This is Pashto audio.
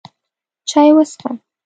چای وڅښه!